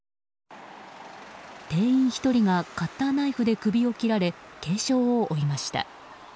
店員１人がカッターナイフで首を切られ軽傷を負いました。